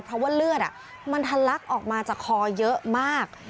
เพราะว่าเลือดมันทะลักออกมาจากคอเยอะมาก